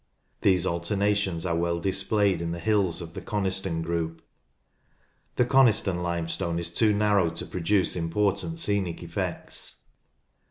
These alternations are well displayed in the hills of the Coniston group. The Coniston Limestone is too narrow to produce important scenic effects.